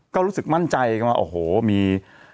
ก็รู้สึกมั่นใจกันว่าโอ้โหมี